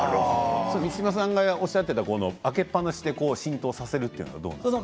満島さんがおっしゃっていた開けっぱなしで浸透させるっていうのはどうなんですか。